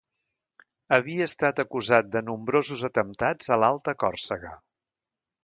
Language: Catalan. Havia estat acusat de nombrosos atemptats a l'Alta Còrsega.